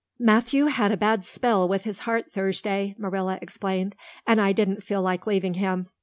"Matthew had a bad spell with his heart Thursday," Marilla explained, "and I didn't feel like leaving him.